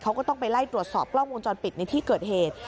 เขาก็ต้องไปไล่ตรวจสอบกล้องวงจรปิดในที่เกิดเหตุ